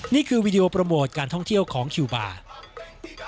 วีดีโอโปรโมทการท่องเที่ยวของคิวบาร์